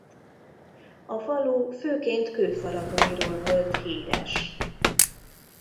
A falu főként kőfaragóiról volt híres.